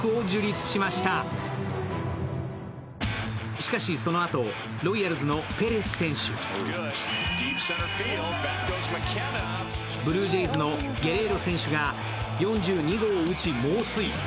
しかし、そのあと、ロイヤルズのペレス選手、ブルージェイズのゲレーロ選手が４２号を打ち、猛追。